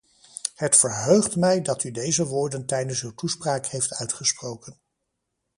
Het verheugt mij dat u deze woorden tijdens uw toespraak heeft uitgesproken.